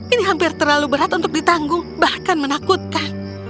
ini hampir terlalu berat untuk ditanggung bahkan menakutkan